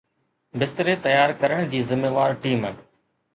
بستري تيار ڪرڻ جي ذميوار ٽيم